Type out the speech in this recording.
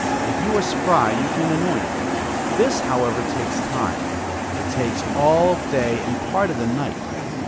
If you are spry, you can annoy him. This, however, takes time. It takes all day and part of the night.